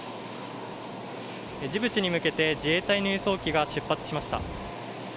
ジブチに向けて自衛隊の輸送機が出発しました。